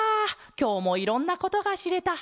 きょうもいろんなことがしれた。